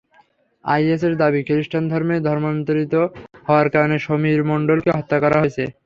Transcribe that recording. আইএসের দাবি, খ্রিষ্টধর্মে ধর্মান্তরিত হওয়ার কারণে সমীর মণ্ডলকে হত্যা করা হয়েছে।